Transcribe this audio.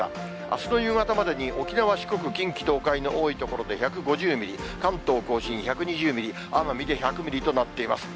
あすの夕方までに沖縄、四国、近畿、東海の多い所で１５０ミリ、関東甲信１２０ミリ、奄美で１００ミリとなっています。